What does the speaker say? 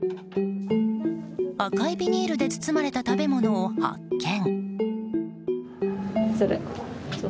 赤いビニールで包まれた食べ物を発見。